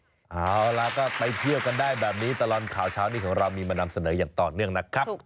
เอาล่ะก็ไปเที่ยวกันได้แบบนี้ตลอดข่าวเช้านี้ของเรามีมานำเสนออย่างต่อเนื่องนะครับ